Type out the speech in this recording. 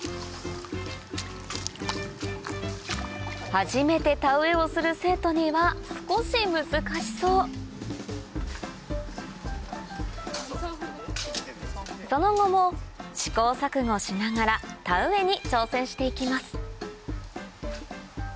初めて田植えをする生徒には少し難しそうその後も試行錯誤しながら田植えに挑戦していきます